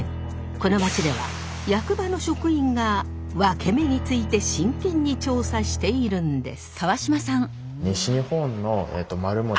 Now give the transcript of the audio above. この町では役場の職員がワケメについて真剣に調査しているんです。